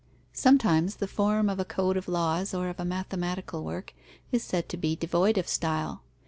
Sometimes the form of a code of laws or of a mathematical work is said to be devoid of style.